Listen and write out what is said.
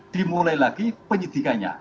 dimulai lagi penyidikannya